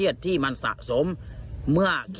พี่ทีมข่าวของที่รักของ